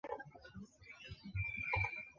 生态池水源主要来自隔壁的生命科学馆。